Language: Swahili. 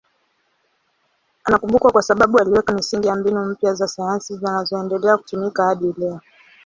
Anakumbukwa kwa sababu aliweka misingi ya mbinu mpya za sayansi zinazoendelea kutumika hadi leo.